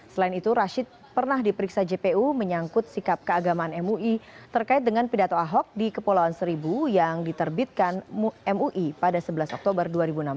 selain itu rashid pernah diperiksa jpu menyangkut sikap keagamaan mui terkait dengan pidato ahok di kepulauan seribu yang diterbitkan mui pada sebelas oktober dua ribu enam belas